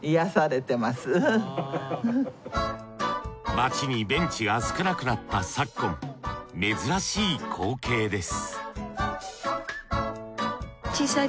街にベンチが少なくなった昨今珍しい光景です